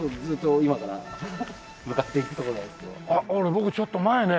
僕ちょっと前ね